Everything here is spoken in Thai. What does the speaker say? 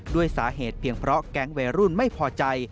ด้วยสาเหตุเพียงเพราะแก๊งวัยรุ่นไม่พอใจ